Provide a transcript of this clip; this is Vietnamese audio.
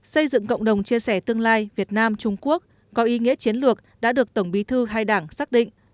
xây dựng cộng đồng chia sẻ tương lai việt nam trung quốc có ý nghĩa chiến lược đã được tổng bí thư hai đảng xác định